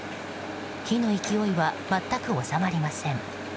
火の勢いは全く収まりません。